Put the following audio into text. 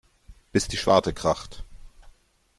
Bis die Schwarte kracht.